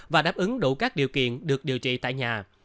và đáp ứng đủ các điều kiện được điều trị tại nhà